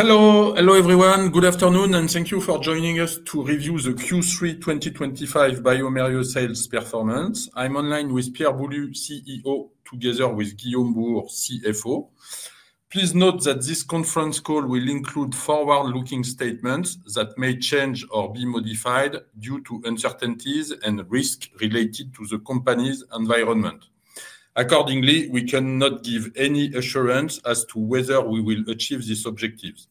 Hello, hello everyone, good afternoon, and thank you for joining us to review the Q3 2025 bioMérieux sales performance. I'm online with Pierre Boulud, CEO, together with Guillaume Bouhours, CFO. Please note that this conference call will include forward-looking statements that may change or be modified due to uncertainties and risks related to the company's environment. Accordingly, we cannot give any assurance as to whether we will achieve these objectives.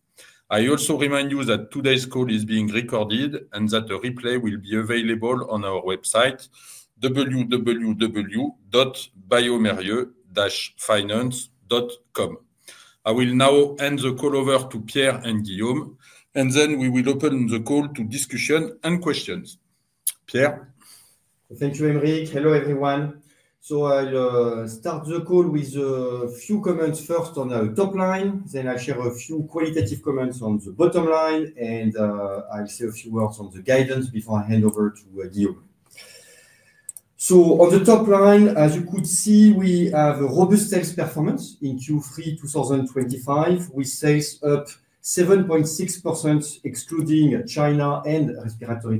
I also remind you that today's call is being recorded and that a replay will be available on our website, www.biomerieux-finance.com. I will now hand the call over to Pierre and Guillaume, and then we will open the call to discussion and questions. Pierre? Thank you, Aymeric. Hello everyone. I'll start the call with a few comments first on the top line, then I'll share a few qualitative comments on the bottom line, and I'll say a few words on the guidance before I hand over to Guillaume. On the top line, as you could see, we have a robust sales performance in Q3 2025, with sales up 7.6% excluding China and respiratory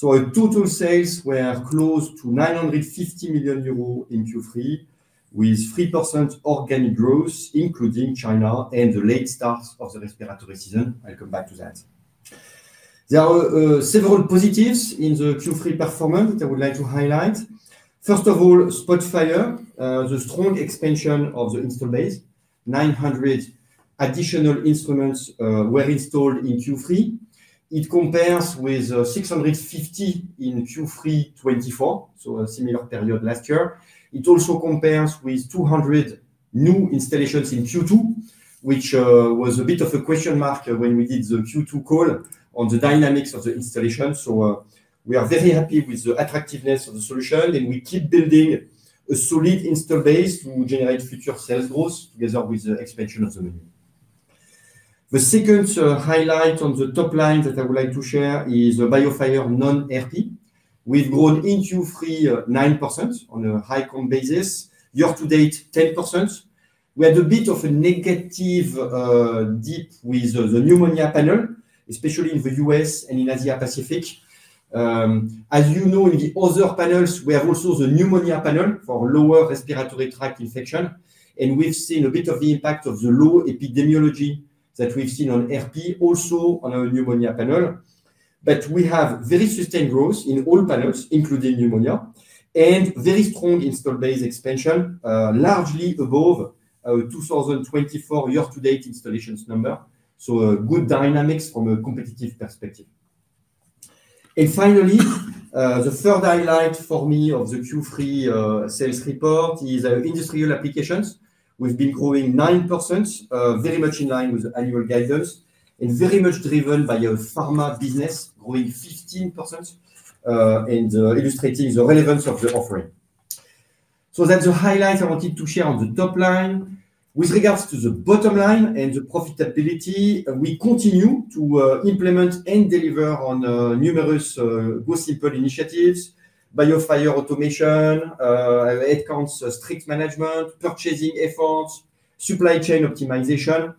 panel. Total sales were close to 950 million euros in Q3, with 3% organic growth, including China and the late start of the respiratory season. I'll come back to that. There are several positives in the Q3 performance that I would like to highlight. First of all, Spotfire, the strong expansion of the install base, 900 additional instruments were installed in Q3. It compares with 650 in Q3 2024, so a similar period last year. It also compares with 200 new installations in Q2, which was a bit of a question mark when we did the Q2 call on the dynamics of the installation. We are very happy with the attractiveness of the solution, and we keep building a solid install base to generate future sales growth together with the expansion of the menu. The second highlight on the top line that I would like to share is BioFire non-respiratory panels. We've grown in Q3 9% on a high comp basis, year-to-date 10%. We had a bit of a negative dip with the pneumonia panel, especially in the U.S. and in Asia-Pacific. As you know, in the other panels, we have also the pneumonia panel for lower respiratory tract infection, and we've seen a bit of the impact of the low epidemiology that we've seen on respiratory panel, also on our pneumonia panel. We have very sustained growth in all panels, including pneumonia, and very strong install base expansion, largely above a 2024 year-to-date installations number. Good dynamics from a competitive perspective. Finally, the third highlight for me of the Q3 sales report is our industrial applications. We've been growing 9%, very much in line with the annual guidance, and very much driven by our pharma business, growing 15% and illustrating the relevance of the offering. That's the highlight I wanted to share on the top line. With regards to the bottom line and the profitability, we continue to implement and deliver on numerous GOSSIMPLE initiatives: BioFire automation, headcount strict management, purchasing efforts, supply chain optimization.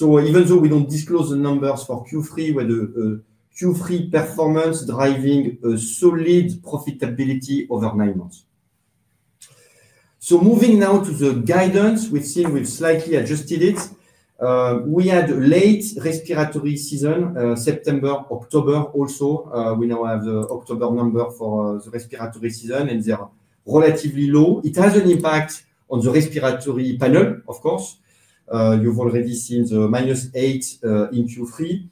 Even though we don't disclose the numbers for Q3, we had a Q3 performance driving a solid profitability over nine months. Moving now to the guidance, we've seen we've slightly adjusted it. We had a late respiratory season, September, October also. We now have the October number for the respiratory season, and they're relatively low. It has an impact on the respiratory panel, of course. You've already seen the minus eight in Q3.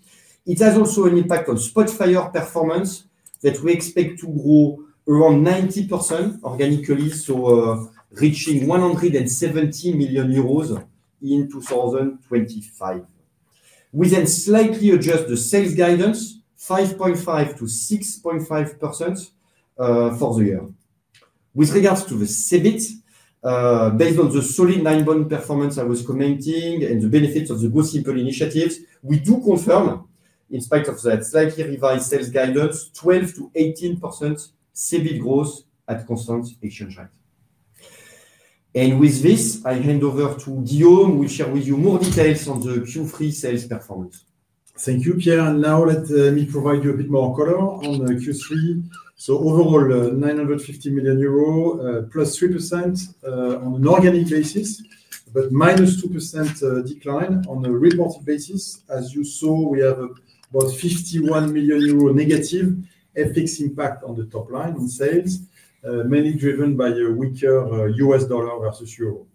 It has also an impact on SPOTFIRE performance that we expect to grow around 90% organically, so reaching 170 million euros in 2025. We then slightly adjust the sales guidance, 5.5-6.5%. For the year. With regards to the CBIT. Based on the solid nine-month performance I was commenting and the benefits of the GOSSIMPLE initiatives, we do confirm, in spite of that slightly revised sales guidance, 12-18% CBIT growth at constant exchange rate. With this, I hand over to Guillaume, who will share with you more details on the Q3 sales performance. Thank you, Pierre. Now let me provide you a bit more color on the Q3. Overall, 950 million euro, 3% on an organic basis, but minus 2% decline on a reporting basis. As you saw, we have about 51 million euros negative foreign exchange impact on the top line on sales, mainly driven by a weaker US dollar versus euro.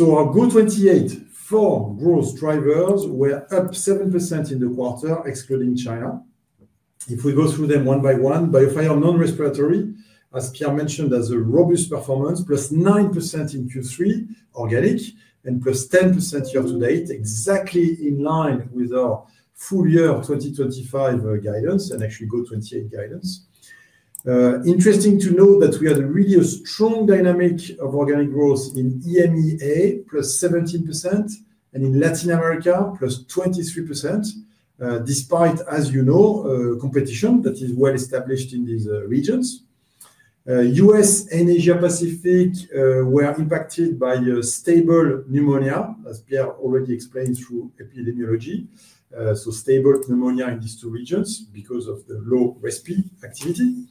Our GO28 four growth drivers were up 7% in the quarter, excluding China. If we go through them one by one, BioFire Non-Respiratory, as Pierre mentioned, has a robust performance, +9% in Q3 organic, and +10% year-to-date, exactly in line with our full year 2025 guidance and actually GO28 guidance. Interesting to note that we had a really strong dynamic of organic growth in EMEA, +17%, and in Latin America, +23%. Despite, as you know, competition that is well established in these regions. US and Asia-Pacific were impacted by stable pneumonia, as Pierre already explained through epidemiology. Stable pneumonia in these two regions because of the low respiratory activity.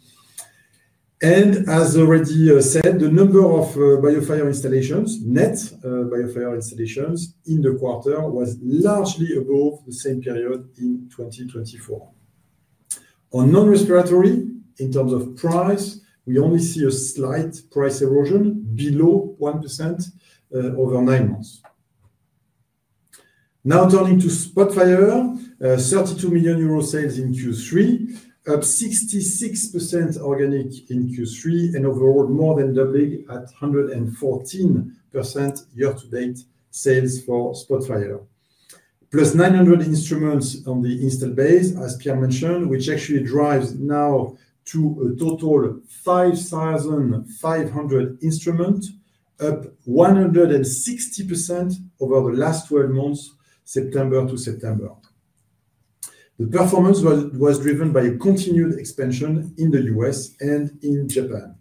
As already said, the number of BioFire installations, net BioFire installations in the quarter, was largely above the same period in 2024. On non-respiratory, in terms of price, we only see a slight price erosion, below 1% over nine months. Now turning to SPOTFIRE, 32 million euro sales in Q3, up 66% organic in Q3, and overall more than doubling at 114% year-to-date sales for SPOTFIRE. +900 instruments on the install base, as Pierre mentioned, which actually drives now to a total of 5,500 instruments, up 160% over the last 12 months, September to September. The performance was driven by continued expansion in the US and in Japan.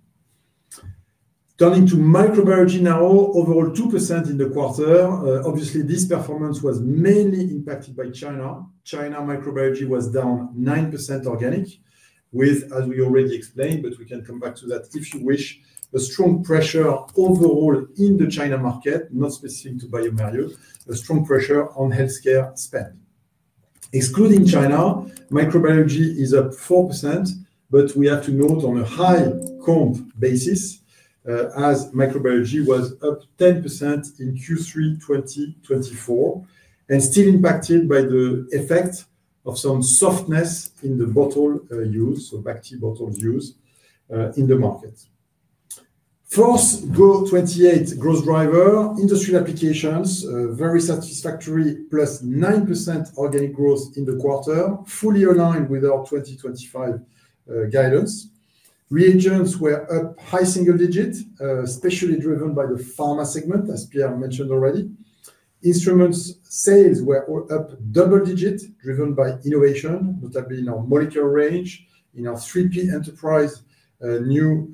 Turning to microbiology now, overall 2% in the quarter. Obviously, this performance was mainly impacted by China. China microbiology was down 9% organic, as we already explained, but we can come back to that if you wish, a strong pressure overall in the China market, not specific to bioMérieux, a strong pressure on healthcare spend. Excluding China, microbiology is up 4%, but we have to note on a high comp basis, as microbiology was up 10% in Q3 2024, and still impacted by the effect of some softness in the bottle use, so back to bottle use, in the market. Fourth GO28 growth driver, industrial applications, very satisfactory, +9% organic growth in the quarter, fully aligned with our 2025 guidance. Reagents were up high single digit, especially driven by the pharma segment, as Pierre mentioned already. Instrument sales were up double digit, driven by innovation, notably in our molecular range, in our 3P enterprise new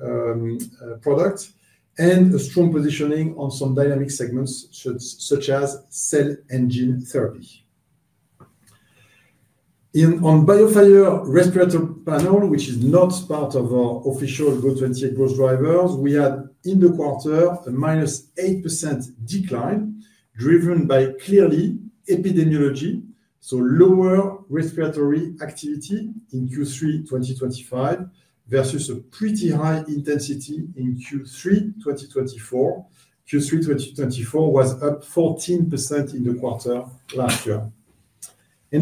product, and a strong positioning on some dynamic segments such as cell engine therapy. On BioFire Respiratory Panel, which is not part of our official GO28 growth drivers, we had in the quarter a -8% decline, driven by clearly epidemiology, so lower respiratory activity in Q3 2025 versus a pretty high intensity in Q3 2024. Q3 2024 was up 14% in the quarter last year.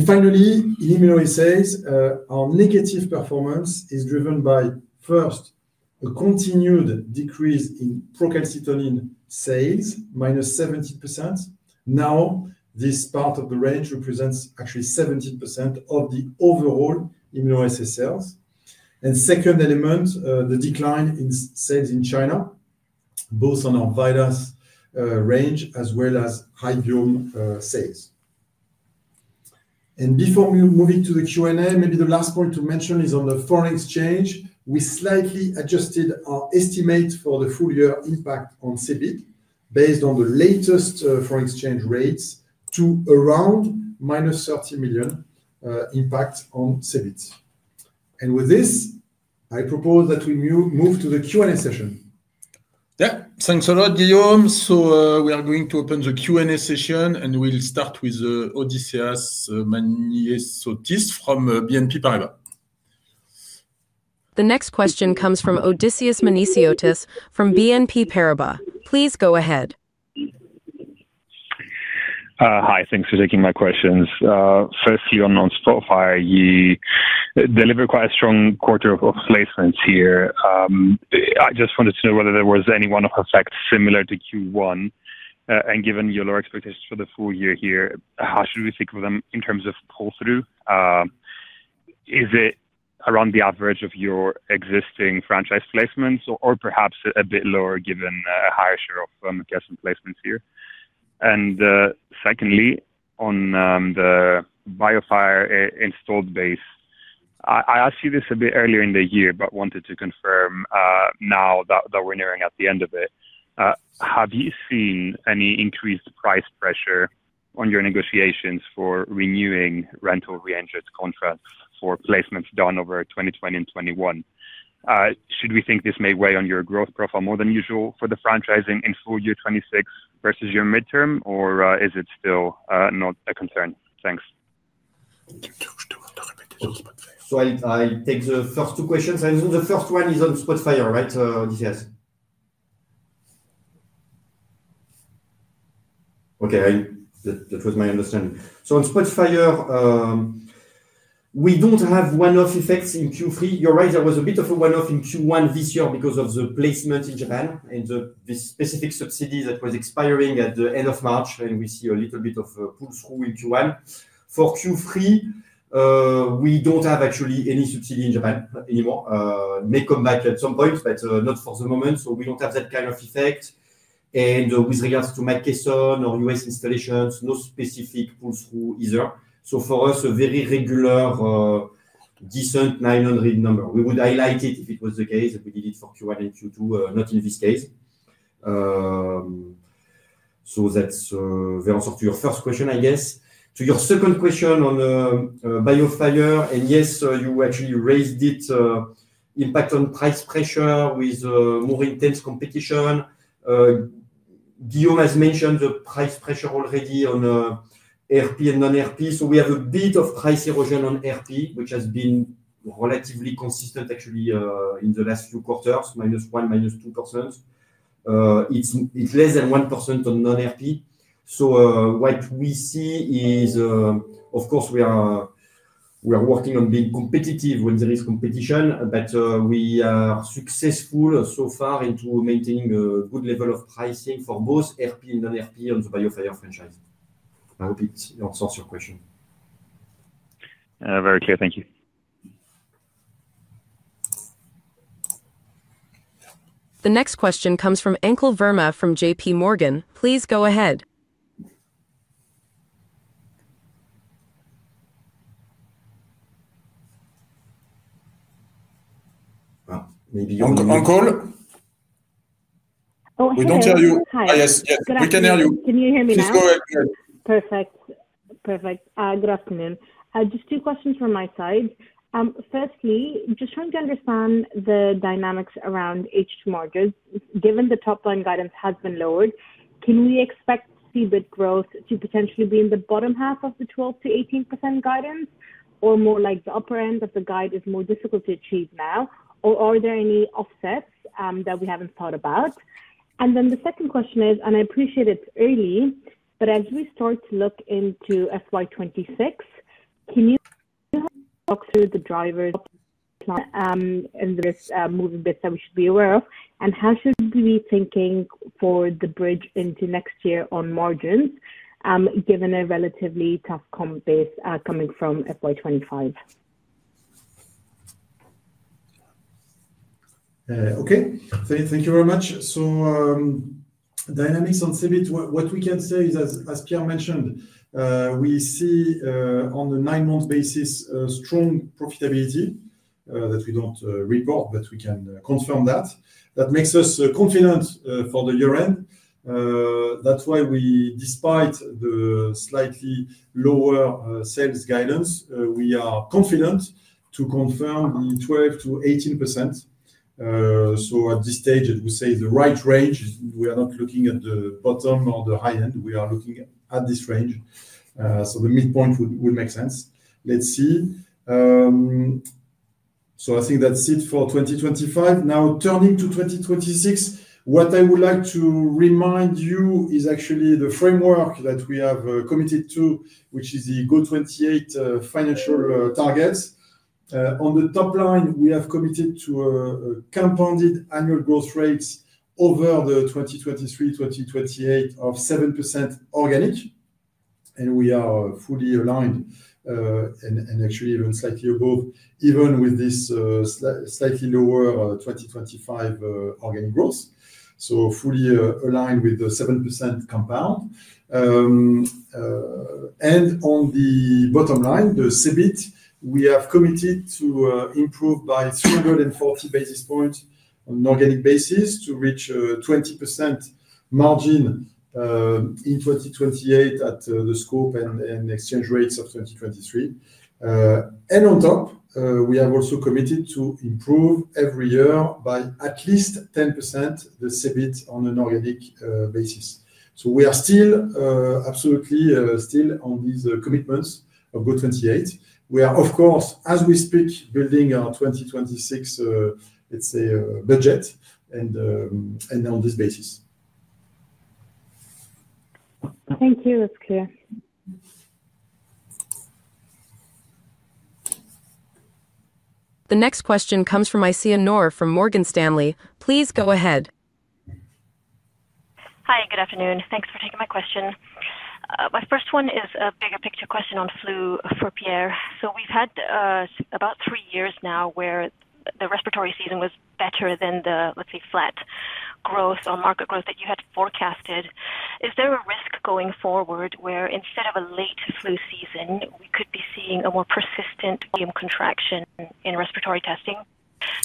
Finally, immunoassays, our negative performance is driven by, first, a continued decrease in procalcitonin sales, -17%. Now, this part of the range represents actually 17% of the overall immunoassay sales. The second element, the decline in sales in China, both on our virus range as well as high-view sales. Before moving to the Q&A, maybe the last point to mention is on the foreign exchange. We slightly adjusted our estimate for the full year impact on CBIT, based on the latest foreign exchange rates, to around 30 million impact on CBIT. With this, I propose that we move to the Q&A session. Yeah, thanks a lot, Guillaume. We are going to open the Q&A session, and we'll start with Odysseus Manesiotis from BNP Paribas. The next question comes from Odysseus Manesiotis from BNP Paribas. Please go ahead. Hi, thanks for taking my questions. First, Guillaume, on Spotfire, you deliver quite a strong quarter of placements here. I just wanted to know whether there was any one-off effect similar to Q1. Given your low expectations for the full year here, how should we think of them in terms of pull-through? Is it around the average of your existing franchise placements, or perhaps a bit lower given a higher share of McKesson placements here? Secondly, on the BIOFIRE installed base, I asked you this a bit earlier in the year, but wanted to confirm now that we're nearing at the end of it. Have you seen any increased price pressure on your negotiations for renewing rental re-entry contracts for placements done over 2020 and 2021? Should we think this may weigh on your growth profile more than usual for the franchising in full year 2026 versus your midterm, or is it still not a concern? Thanks. I'll take the first two questions. The first one is on Spotfire, right, Odysseus? Okay, that was my understanding. On Spotfire, we do not have one-off effects in Q3. You're right, there was a bit of a one-off in Q1 this year because of the placement in Japan and the specific subsidy that was expiring at the end of March, and we see a little bit of pull-through in Q1. For Q3, we do not have actually any subsidy in Japan anymore. It may come back at some point, but not for the moment. We do not have that kind of effect. With regards to McKesson or U.S. installations, no specific pull-through either. For us, a very regular, decent 900 number. We would highlight it if it was the case, as we did for Q1 and Q2, not in this case. That is the answer to your first question, I guess. To your second question on BIOFIRE, and yes, you actually raised it. Impact on price pressure with more intense competition. Guillaume has mentioned the price pressure already on ARP and non-ARP. We have a bit of price erosion on ARP, which has been relatively consistent actually in the last few quarters, -1%, -2%. It is less than 1% on non-ARP. What we see is, of course, we are working on being competitive when there is competition, but we are successful so far in maintaining a good level of pricing for both ARP and non-ARP on the BIOFIRE franchise. I hope it answers your question. Very clear, thank you. The next question comes from Anchal Verma from JPMorgan. Please go ahead. Ankle? Oh, hello. We don't hear you. Hi. Yes, yes. We can hear you. Can you hear me now? Perfect. Perfect. Good afternoon. Just two questions from my side. Firstly, just trying to understand the dynamics around H2 margins. Given the top line guidance has been lowered, can we expect CBIT growth to potentially be in the bottom half of the 12-18% guidance, or more like the upper end of the guide is more difficult to achieve now? Or are there any offsets that we have not thought about? The second question is, and I appreciate it is early, but as we start to look into FY2026, can you talk through the drivers. And this moving bit that we should be aware of? How should we be thinking for the bridge into next year on margins, given a relatively tough comp base coming from FY2025? Okay. Thank you very much. Dynamics on CBIT, what we can say is, as Pierre mentioned, we see on a nine-month basis strong profitability that we do not report, but we can confirm that. That makes us confident for the year-end. That is why we, despite the slightly lower sales guidance, we are confident to confirm the 12-18%. At this stage, we say the right range. We are not looking at the bottom or the high end. We are looking at this range. The midpoint would make sense. Let's see. I think that is it for 2025. Now, turning to 2026, what I would like to remind you is actually the framework that we have committed to, which is the GO28 financial targets. On the top line, we have committed to compounded annual growth rates over 2023-2028 of 7% organic. We are fully aligned, and actually even slightly above, even with this slightly lower 2025 organic growth. Fully aligned with the 7% compound. On the bottom line, the CBIT, we have committed to improve by 340 basis points on an organic basis to reach 20% margin in 2028 at the scope and exchange rates of 2023. On top, we have also committed to improve every year by at least 10% the CBIT on an organic basis. We are still absolutely still on these commitments of GO28. We are, of course, as we speak, building our 2026, let's say, budget and on this basis. Thank you, it's clear. The next question comes from Aisyah Noor from Morgan Stanley. Please go ahead. Hi, good afternoon. Thanks for taking my question. My first one is a bigger picture question on flu for Pierre. We have had about three years now where the respiratory season was better than the, let's say, flat growth on market growth that you had forecasted. Is there a risk going forward where instead of a late flu season, we could be seeing a more persistent contraction in respiratory testing?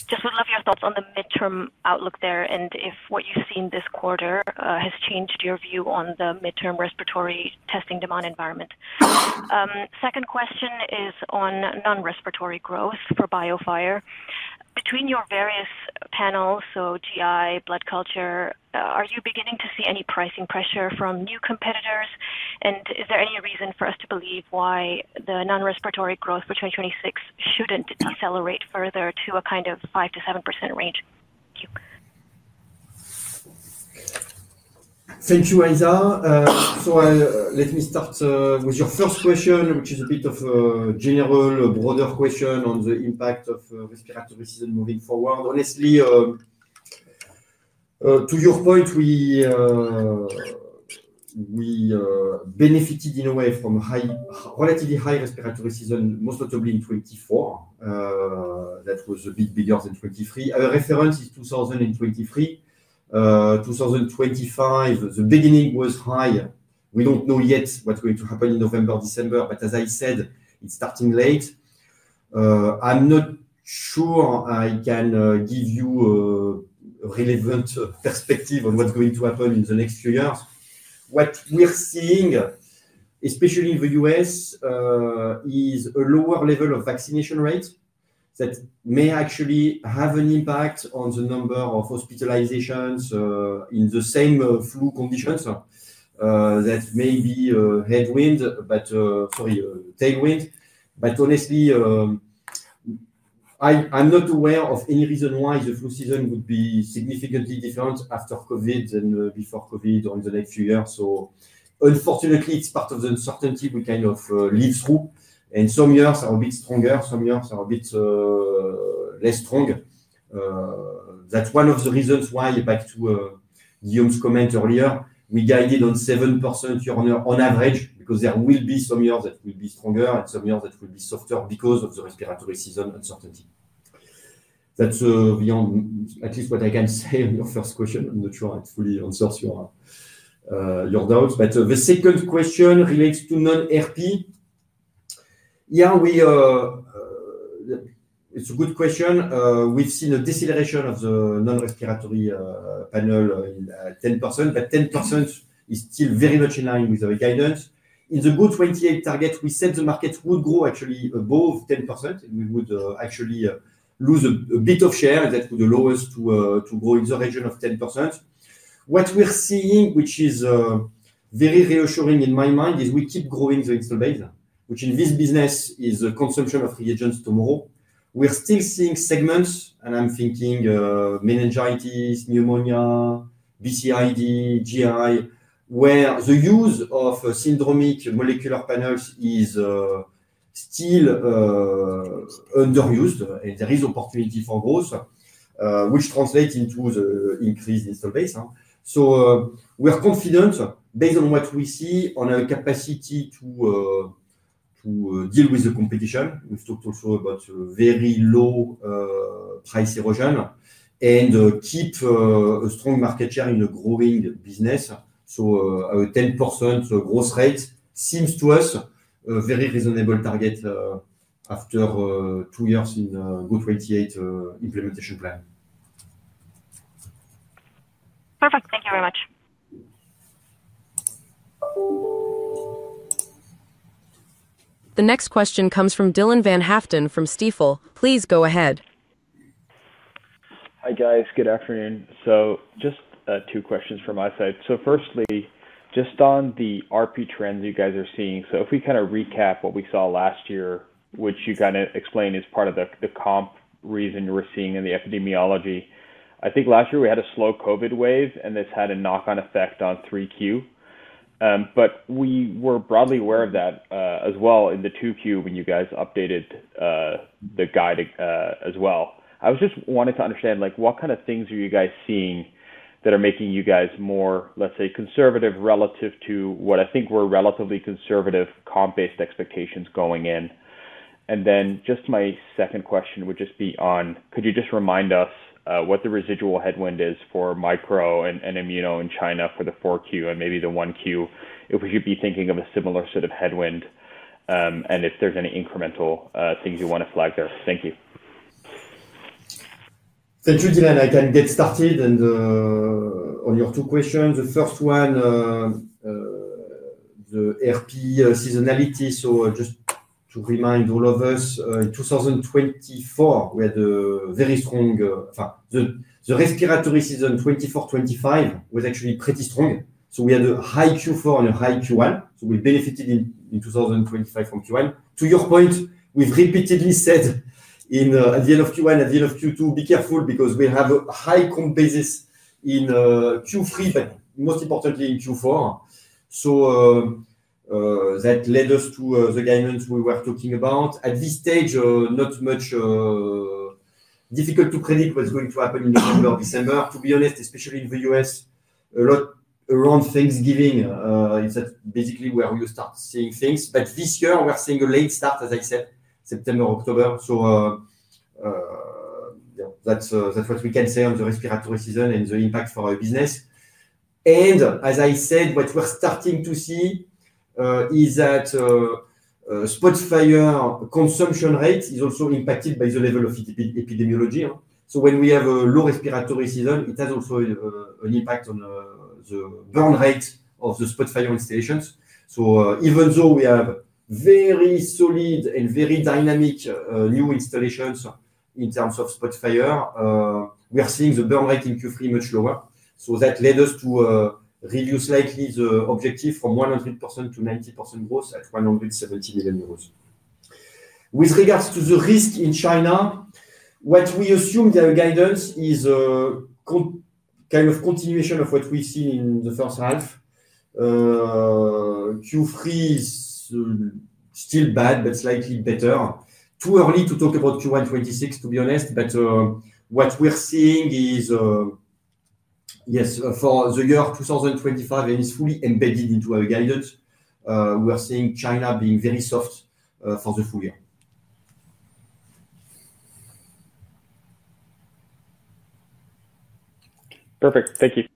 Just would love your thoughts on the midterm outlook there and if what you have seen this quarter has changed your view on the midterm respiratory testing demand environment. Second question is on non-respiratory growth for BioFire. Between your various panels, so GI, blood culture, are you beginning to see any pricing pressure from new competitors? Is there any reason for us to believe why the non-respiratory growth for 2026 should not decelerate further to a kind of 5-7% range? Thank you. Thank you, Aiza. Let me start with your first question, which is a bit of a general broader question on the impact of respiratory season moving forward. Honestly, to your point, we benefited in a way from a relatively high respiratory season, most notably in 2024. That was a bit bigger than 2023. Our reference is 2023. 2025, the beginning was high. We do not know yet what is going to happen in November, December, but as I said, it is starting late. I am not sure I can give you a relevant perspective on what is going to happen in the next few years. What we are seeing, especially in the U.S., is a lower level of vaccination rate that may actually have an impact on the number of hospitalizations in the same flu conditions. That may be headwind, sorry, tailwind. Honestly, I am not aware of any reason why the flu season would be significantly different after COVID than before COVID or in the next few years. Unfortunately, it is part of the uncertainty we kind of live through. Some years are a bit stronger, some years are a bit less strong. That is one of the reasons why, back to Guillaume's comment earlier, we guided on 7% on average because there will be some years that will be stronger and some years that will be softer because of the respiratory season uncertainty. That is at least what I can say on your first question. I am not sure it fully answers your doubts. The second question relates to non-ARP. It is a good question. We have seen a deceleration of the non-respiratory panel at 10%, but 10% is still very much in line with our guidance. In the GO28 target, we said the market would grow actually above 10%. We would actually lose a bit of share that would allow us to grow in the region of 10%. What we are seeing, which is very reassuring in my mind, is we keep growing the install base, which in this business is the consumption of reagents tomorrow. We are still seeing segments, and I am thinking meningitis, pneumonia, BCID, GI, where the use of syndromic molecular panels is still underused, and there is opportunity for growth, which translates into the increased install base. We are confident, based on what we see, on our capacity to deal with the competition. We have talked also about very low price erosion and keep a strong market share in a growing business. A 10% growth rate seems to us a very reasonable target after two years in GO28 implementation plan. Perfect, thank you very much. The next question comes from Dylan Van Haaften from Stifel. Please go ahead. Hi guys, good afternoon. Just two questions from my side. Firstly, just on the ARP trend that you guys are seeing, if we kind of recap what we saw last year, which you kind of explained is part of the comp reason you were seeing in the epidemiology, I think last year we had a slow COVID wave, and this had a knock-on effect on 3Q. We were broadly aware of that as well in the 2Q when you guys updated the guide as well. I was just wanting to understand what kind of things are you guys seeing that are making you guys more, let's say, conservative relative to what I think were relatively conservative comp-based expectations going in. My second question would just be, could you just remind us what the residual headwind is for micro and immuno in China for the 4Q and maybe the 1Q, if we should be thinking of a similar sort of headwind, and if there's any incremental things you want to flag there. Thank you. Thank you, Dylan. I can get started. On your two questions. The first one. The ARP seasonality. Just to remind all of us, in 2024, we had a very strong, the respiratory season 2024-2025 was actually pretty strong. We had a high Q4 and a high Q1. We benefited in 2025 from Q1. To your point, we've repeatedly said at the end of Q1, at the end of Q2, be careful because we have a high comp basis in Q3, but most importantly in Q4. That led us to the guidance we were talking about. At this stage, not much. Difficult to predict what's going to happen in November or December. To be honest, especially in the U.S., a lot around Thanksgiving, it's basically where you start seeing things. This year, we're seeing a late start, as I said, September, October. That's what we can say on the respiratory season and the impact for our business. As I said, what we're starting to see is that Spotfire consumption rate is also impacted by the level of epidemiology. When we have a low respiratory season, it has also an impact on the burn rate of the Spotfire installations. Even though we have very solid and very dynamic new installations in terms of Spotfire, we are seeing the burn rate in Q3 much lower. That led us to reduce slightly the objective from 100% to 90% growth at 170 million euros. With regards to the risk in China, what we assume in their guidance is kind of continuation of what we've seen in the first half. Q3 is still bad, but slightly better. Too early to talk about Q1 2026, to be honest, but what we're seeing is, yes, for the year 2025, and it's fully embedded into our guidance, we're seeing China being very soft for the full year. Perfect, thank you.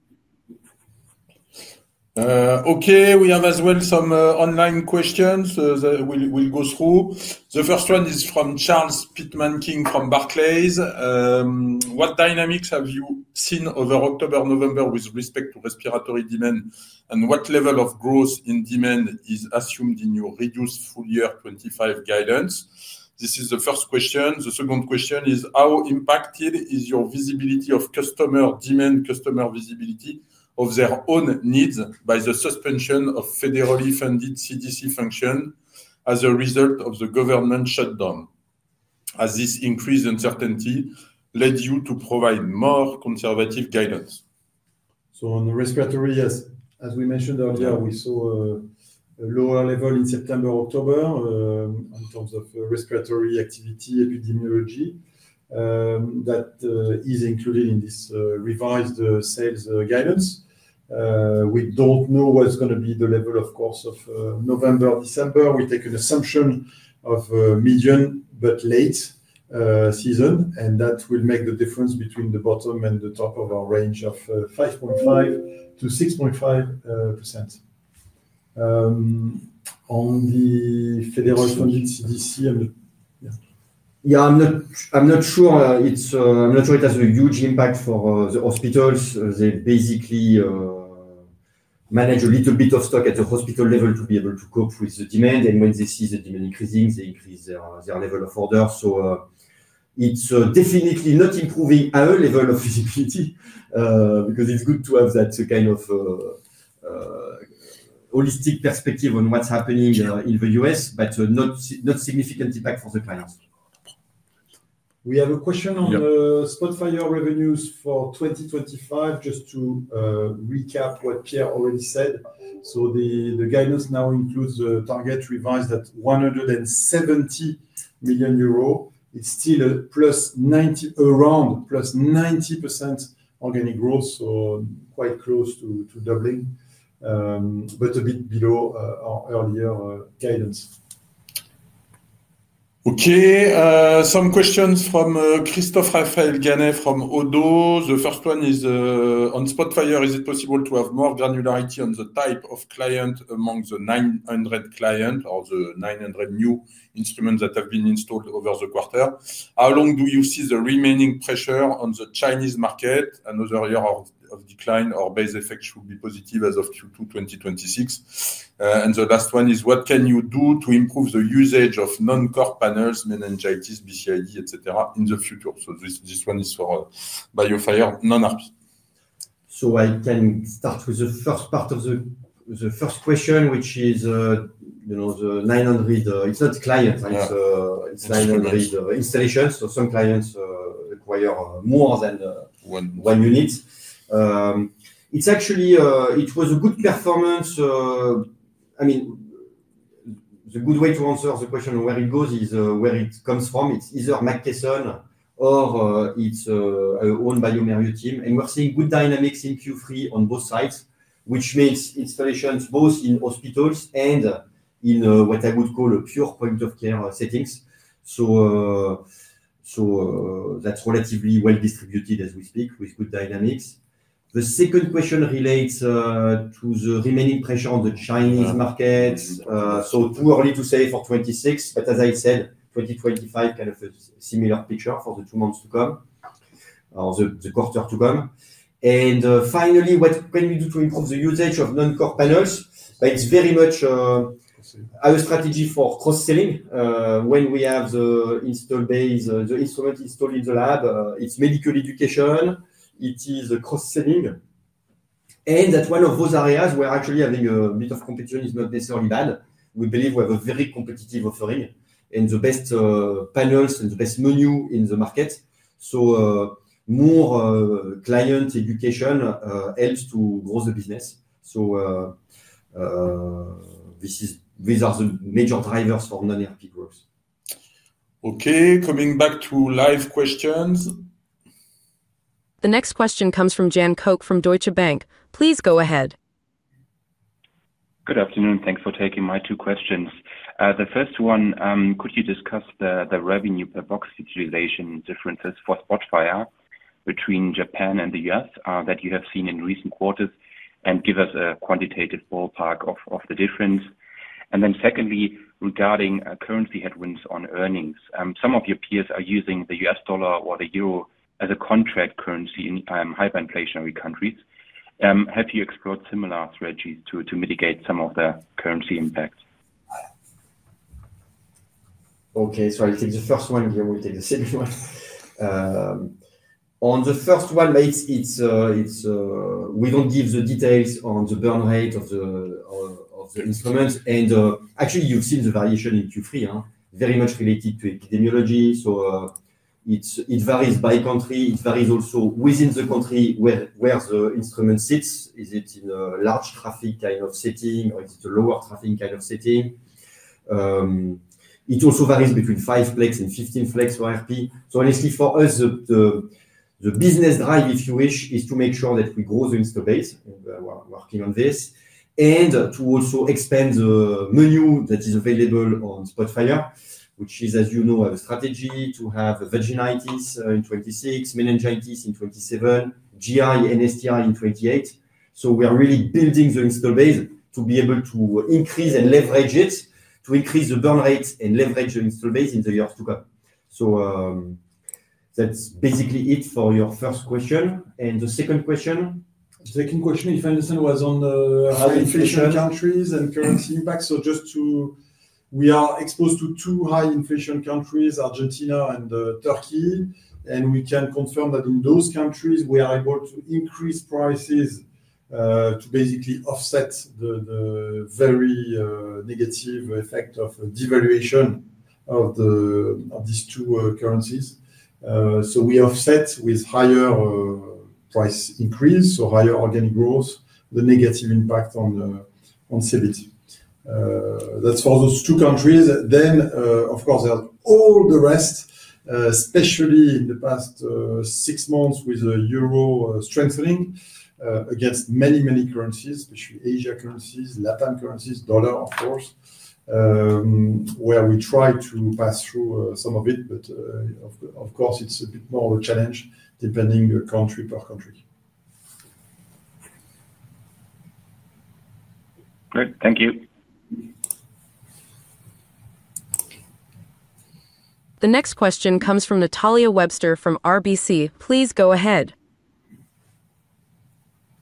Okay, we have as well some online questions that we'll go through. The first one is from Charles Pitman King from Barclays. What dynamics have you seen over October, November with respect to respiratory demand, and what level of growth in demand is assumed in your reduced full year 2025 guidance? This is the first question. The second question is, how impacted is your visibility of customer demand, customer visibility of their own needs by the suspension of federally funded CDC function as a result of the government shutdown? Has this increased uncertainty led you to provide more conservative guidance? On the respiratory, as we mentioned earlier, we saw a lower level in September, October. In terms of respiratory activity, epidemiology. That is included in this revised sales guidance. We don't know what's going to be the level, of course, of November, December. We take an assumption of a medium but late season, and that will make the difference between the bottom and the top of our range of 5.5%-6.5%. On the federal funded CDC, I'm not sure. I'm not sure it has a huge impact for the hospitals. They basically manage a little bit of stock at the hospital level to be able to cope with the demand. And when they see the demand increasing, they increase their level of order. It's definitely not improving our level of visibility because it's good to have that kind of holistic perspective on what's happening in the U.S., but not significant impact for the clients. We have a question on Spotfire revenues for 2025, just to recap what Pierre already said. The guidance now includes the target revised at 170 million euro. It's still around 90% organic growth, so quite close to doubling, but a bit below our earlier guidance. Some questions from Christophe Raphaël Ganet from Odoo. The first one is, on Spotfire, is it possible to have more granularity on the type of client among the 900 clients or the 900 new instruments that have been installed over the quarter? How long do you see the remaining pressure on the Chinese market? Another year of decline or base effects will be positive as of Q2 2026. The last one is, what can you do to improve the usage of non-core panels, meningitis, BCID, etc. in the future? This one is for BioFire, non-ARP. I can start with the first part of the first question, which is the 900, it's not clients, it's 900 installations. Some clients acquire more than one unit. It was a good performance. I mean, the good way to answer the question where it goes is where it comes from. It's either McKesson or it's our own bioMérieux team. We're seeing good dynamics in Q3 on both sides, which means installations both in hospitals and in what I would call pure point of care settings. That's relatively well distributed as we speak with good dynamics. The second question relates to the remaining pressure on the Chinese market. Too early to say for 2026, but as I said, 2025, kind of a similar picture for the two months to come or the quarter to come. Finally, what can we do to improve the usage of non-core panels? It's very much our strategy for cross-selling when we have the instrument installed in the lab. It's medical education. It is cross-selling. That is one of those areas where actually having a bit of competition is not necessarily bad. We believe we have a very competitive offering and the best panels and the best menu in the market. More client education helps to grow the business. These are the major drivers for non-ARP growth. Okay, coming back to live questions. The next question comes from Jan Kook from Deutsche Bank. Please go ahead. Good afternoon. Thanks for taking my two questions. The first one, could you discuss the revenue per box utilization differences for Spotfire between Japan and the U.S. that you have seen in recent quarters and give us a quantitative ballpark of the difference? Secondly, regarding currency headwinds on earnings, some of your peers are using the US dollar or the euro as a contract currency in hyperinflationary countries. Have you explored similar strategies to mitigate some of the currency impact? Okay, sorry, take the first one here. We'll take the second one. On the first one, it's. We don't give the details on the burn rate of the instrument. And actually, you've seen the variation in Q3, very much related to epidemiology. It varies by country. It varies also within the country where the instrument sits. Is it in a large traffic kind of setting or is it a lower traffic kind of setting? It also varies between 5 flex and 15 flex for ARP. Honestly, for us, the business drive, if you wish, is to make sure that we grow the install base. We're working on this. And to also expand the menu that is available on Spotfire, which is, as you know, our strategy to have vaginitis in 2026, meningitis in 2027, GI and STI in 2028. We are really building the install base to be able to increase and leverage it to increase the burn rate and leverage the install base in the years to come. That's basically it for your first question. And the second question? Second question, if I understand, was on high inflation countries and currency impact. Just to, we are exposed to two high inflation countries, Argentina and Turkey. We can confirm that in those countries, we are able to increase prices to basically offset the very negative effect of devaluation of these two currencies. We offset with higher price increase, so higher organic growth, the negative impact on CBIT. That is for those two countries. Of course, there is all the rest, especially in the past six months with the euro strengthening against many, many currencies, especially Asia currencies, Latin currencies, dollar, of course, where we try to pass through some of it, but of course, it is a bit more of a challenge depending country per country. Great, thank you. The next question comes from Natalia Webster from RBC. Please go ahead.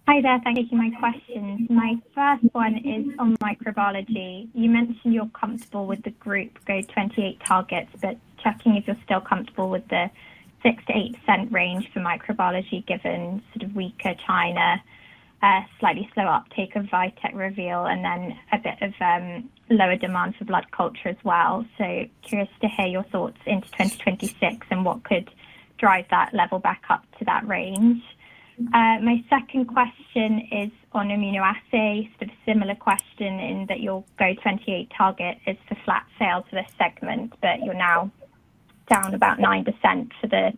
Hi there, thank you for my question. My first one is on microbiology. You mentioned you're comfortable with the GO28 targets, but checking if you're still comfortable with the 6-8% range for microbiology given sort of weaker China, slightly slow uptake of Vitek Reveal, and then a bit of lower demand for blood culture as well. Curious to hear your thoughts into 2026 and what could drive that level back up to that range. My second question is on immunoassay. Sort of similar question in that your GO28 target is for flat sales for this segment, but you're now down about 9% for the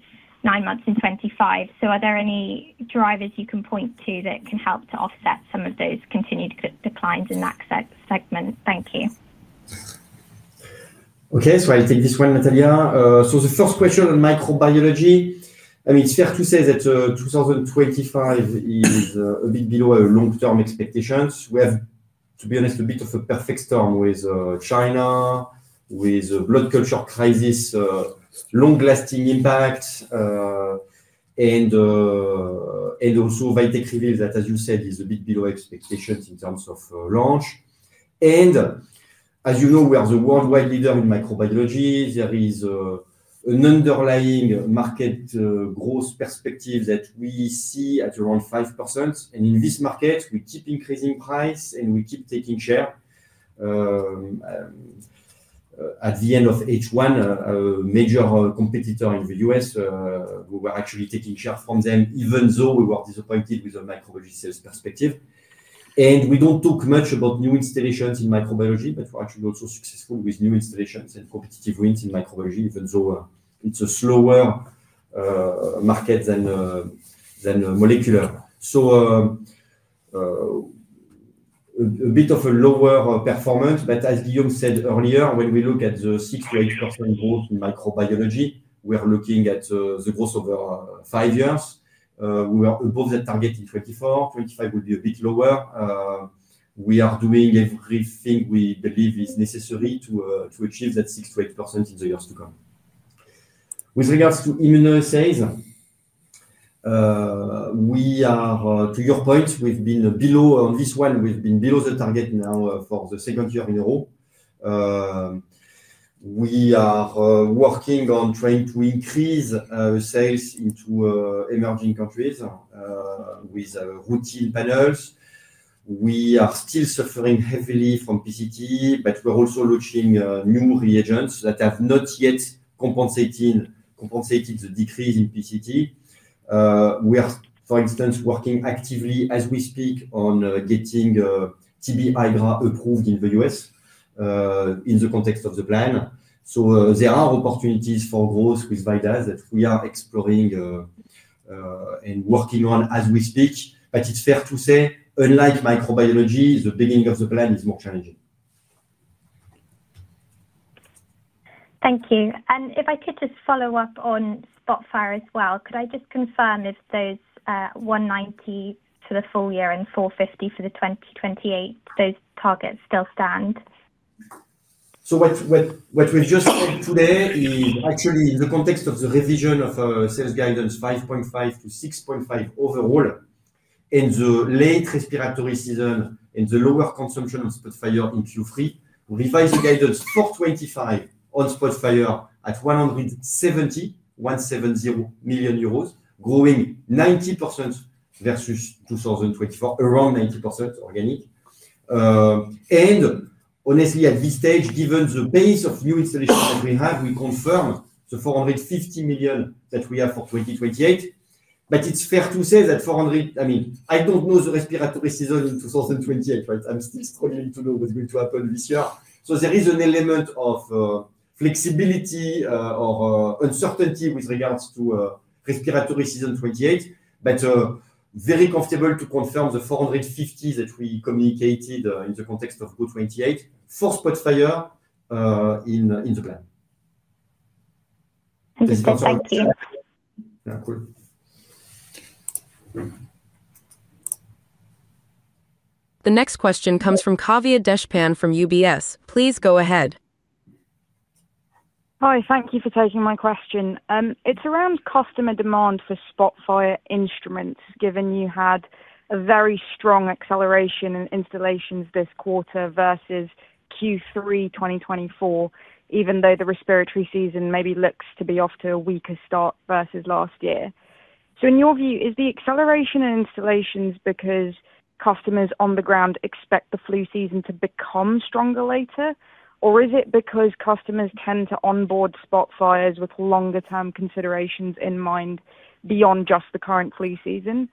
nine months in 2025. Are there any drivers you can point to that can help to offset some of those continued declines in that segment? Thank you. Okay, so I'll take this one, Natalia. The first question on microbiology, I mean, it's fair to say that 2025 is a bit below our long-term expectations. We have, to be honest, a bit of a perfect storm with China, with a blood culture crisis. Long-lasting impact. Also, VITEK Reveal that, as you said, is a bit below expectations in terms of launch. As you know, we are the worldwide leader in microbiology. There is an underlying market growth perspective that we see at around 5%. In this market, we keep increasing price and we keep taking share. At the end of H1, a major competitor in the US, we were actually taking share from them, even though we were disappointed with the microbiology sales perspective. We don't talk much about new installations in microbiology, but we're actually also successful with new installations and competitive wins in microbiology, even though it's a slower market than molecular. A bit of a lower performance, but as Guillaume said earlier, when we look at the 6-8% growth in microbiology, we are looking at the growth over five years. We are above that target in 2024. 2025 will be a bit lower. We are doing everything we believe is necessary to achieve that 6-8% in the years to come. With regards to immunoassays, to your point, we've been below on this one, we've been below the target now for the second year in a row. We are working on trying to increase sales into emerging countries with routine panels. We are still suffering heavily from PCT, but we're also looking at new reagents that have not yet compensated the decrease in PCT. We are, for instance, working actively as we speak on getting TB IGRA approved in the US in the context of the plan. There are opportunities for growth with VITEK that we are exploring and working on as we speak. It's fair to say, unlike microbiology, the beginning of the plan is more challenging. Thank you. If I could just follow up on Spotfire as well, could I just confirm if those 190 for the full year and 450 for 2028, those targets still stand? What we've just said today is actually in the context of the revision of sales guidance 5.5 million-6.5 million overall. In the late respiratory season and the lower consumption of Spotfire in Q3, we revised the guidance for 2025 on Spotfire at 170 million euros, growing 90% versus 2024, around 90% organic. And honestly, at this stage, given the pace of new installations that we have, we confirm the 450 million that we have for 2028. It's fair to say that 400 million, I mean, I don't know the respiratory season in 2028, right? I'm still struggling to know what's going to happen this year. There is an element of flexibility or uncertainty with regards to respiratory season 2028, but very comfortable to confirm the 450 million that we communicated in the context of GO28 for Spotfire in the plan. Thank you. The next question comes from Kavya Deshpande from UBS. Please go ahead. Hi, thank you for taking my question. It's around customer demand for Spotfire instruments, given you had a very strong acceleration in installations this quarter versus Q3 2024, even though the respiratory season maybe looks to be off to a weaker start versus last year. In your view, is the acceleration in installations because customers on the ground expect the flu season to become stronger later, or is it because customers tend to onboard Spotfire with longer-term considerations in mind beyond just the current flu season?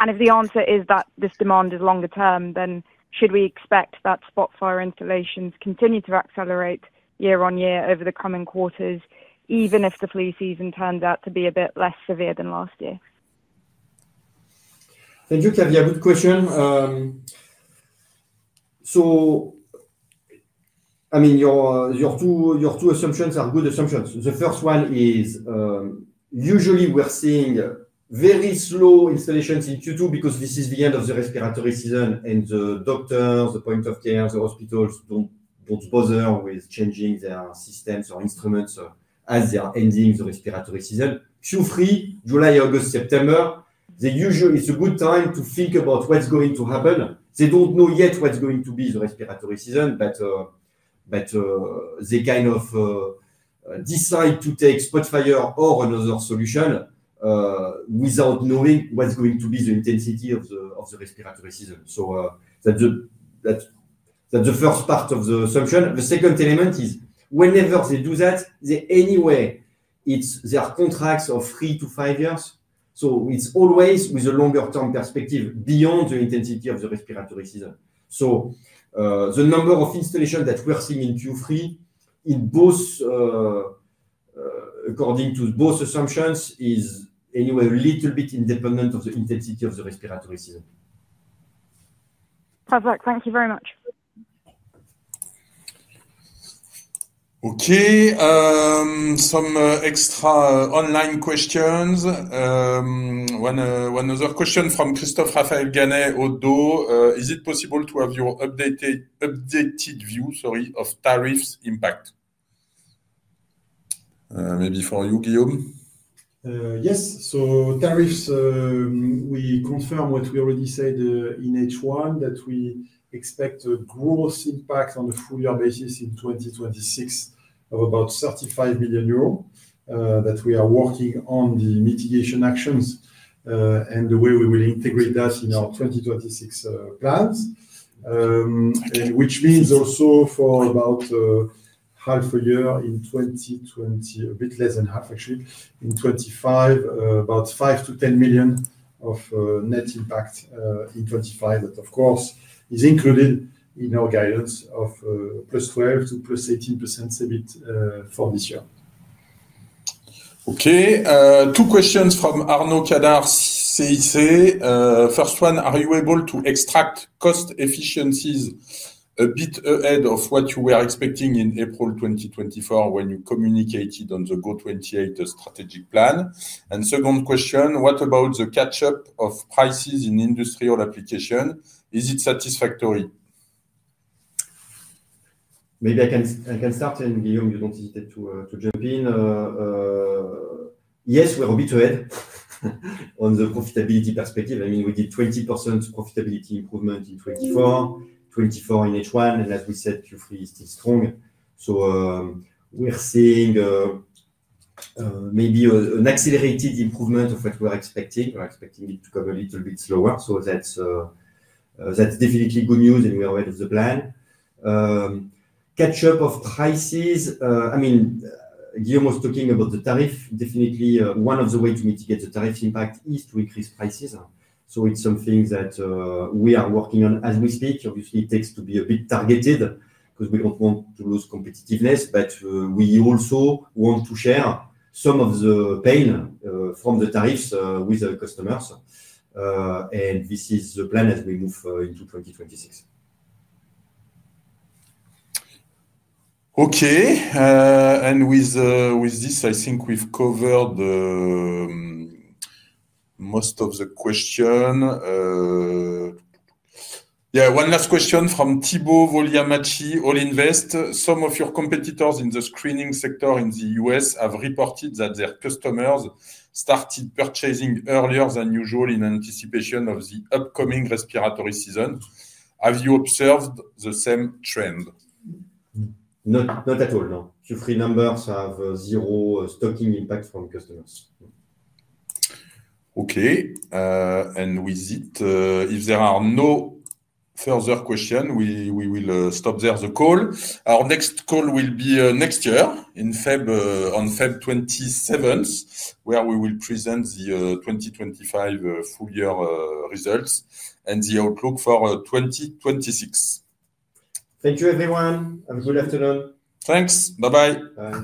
If the answer is that this demand is longer-term, then should we expect that Spotfire installations continue to accelerate year on year over the coming quarters, even if the flu season turns out to be a bit less severe than last year? Thank you, Kavya. Good question. I mean, your two assumptions are good assumptions. The first one is, usually we're seeing very slow installations in Q2 because this is the end of the respiratory season, and the doctors, the point of care, the hospitals don't bother with changing their systems or instruments as they are ending the respiratory season. Q3, July, August, September, it's a good time to think about what's going to happen. They don't know yet what's going to be the respiratory season, but they kind of decide to take Spotfire or another solution without knowing what's going to be the intensity of the respiratory season. That's the first part of the assumption. The second element is whenever they do that, anyway, it's their contracts of three to five years. It's always with a longer-term perspective beyond the intensity of the respiratory season. The number of installations that we're seeing in Q3, according to both assumptions, is anyway a little bit independent of the intensity of the respiratory season. Perfect. Thank you very much. Okay. Some extra online questions. One other question from Christophe Raphaël Ganet-Odoo. Is it possible to have your updated view, sorry, of tariffs impact? Maybe for you, Guillaume? Yes. Tariffs. We confirm what we already said in H1, that we expect a gross impact on the full-year basis in 2026 of about 35 million euros, that we are working on the mitigation actions. The way we will integrate that in our 2026 plans, which means also for about half a year in 2025, a bit less than half, actually, in 2025, about 5-10 million of net impact in 2025 that, of course, is included in our guidance of +12% to +18% CBIT for this year. Okay. Two questions from Arnaud Cadar-CIC. First one, are you able to extract cost efficiencies a bit ahead of what you were expecting in April 2024 when you communicated on the GO28 strategic plan? Second question, what about the catch-up of prices in industrial application? Is it satisfactory? Maybe I can start and Guillaume, you do not hesitate to jump in. Yes, we are a bit ahead. On the profitability perspective. I mean, we did 20% profitability improvement in 2024, 2024 in H1, and as we said, Q3 is still strong. We are seeing maybe an accelerated improvement of what we were expecting. We were expecting it to go a little bit slower. That is definitely good news and we are ahead of the plan. Catch-up of prices, I mean, Guillaume was talking about the tariff. Definitely, one of the ways to mitigate the tariff impact is to increase prices. It is something that we are working on as we speak. Obviously, it takes to be a bit targeted because we do not want to lose competitiveness, but we also want to share some of the pain from the tariffs with our customers. This is the plan as we move into 2026. Okay. With this, I think we've covered most of the questions. Yeah, one last question from Thibaut Volliamati, All Invest. Some of your competitors in the screening sector in the U.S. have reported that their customers started purchasing earlier than usual in anticipation of the upcoming respiratory season. Have you observed the same trend? Not at all. No. Q3 numbers have zero stocking impact from customers. Okay. With it, if there are no further questions, we will stop there the call. Our next call will be next year on February 27th, where we will present the 2025 full-year results and the outlook for 2026. Thank you, everyone. Have a good afternoon. Thanks. Bye-bye. Bye.